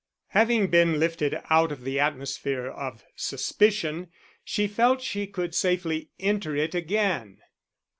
Having been lifted out of the atmosphere of suspicion, she felt she could safely enter it again.